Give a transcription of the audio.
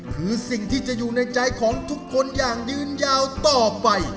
คือสิ่งที่จะอยู่ในใจของทุกคนอย่างยืนยาวต่อไป